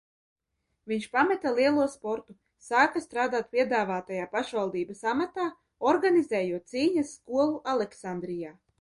Viņš pameta lielo sportu, sāka strādāt piedāvātajā pašvaldības amatā, organizējot cīņas skolu Aleksandrijā.